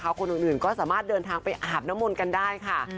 คนอื่นก็สามารถเดินทางไปอาบน้ำมนต์กันได้ค่ะ